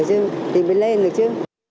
thì mới lên được chứ